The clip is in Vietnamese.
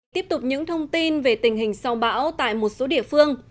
tiếp tục những thông tin về tình hình sau bão tại một số địa phương